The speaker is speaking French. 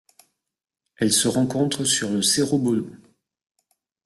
Elle se rencontre sur le Cerro Bollo.